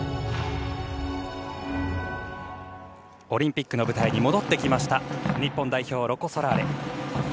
オリンピックの舞台に戻ってきました日本代表ロコ・ソラーレ。